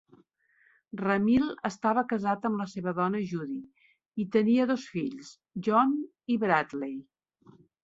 Ramil estava casat amb la seva dona Judy, i tenia dos fills, Jon i Bradley.